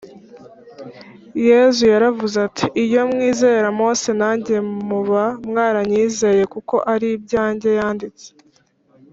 yesu yaravuze ati, “iyo mwizera mose, nanjye muba mwaranyizeye kuko ari ibyanjye yanditse